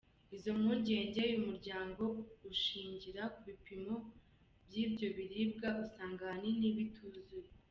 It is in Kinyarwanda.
Izo mpungenge uyu muryango uzishingira ko ibipimo by’ibyo biribwa usanga ahanini bituzuye.